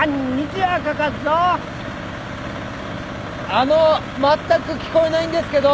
あのまったく聞こえないんですけど！